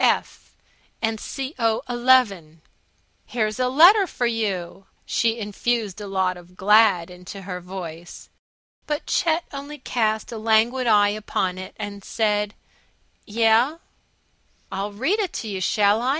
F. and Co. 11. "Here's a letter for you!" She infused a lot of Glad into her voice. But Chet only cast a languid eye upon it and said, "Yeh?" "I'll read it to you, shall I?